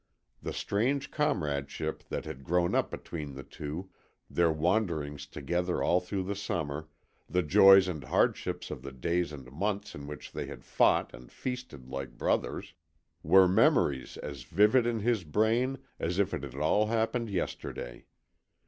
The strange comradeship that had grown up between the two their wanderings together all through the summer, the joys and hardships of the days and months in which they had fought and feasted like brothers were memories as vivid in his brain as if it had all happened yesterday.